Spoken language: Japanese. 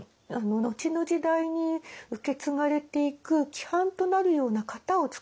後の時代に受け継がれていく規範となるような型を創った歌集です。